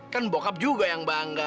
kan bokap juga yang bangga